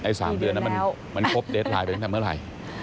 ใน๓เดือนนั้นมันครบเด็ดไหลไปตั้งแต่เมื่อไร